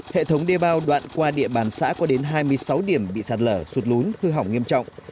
hệ thống đê bao đoạn qua địa bàn xã có đến hai mươi sáu điểm bị sạt lở sụt lún hư hỏng nghiêm trọng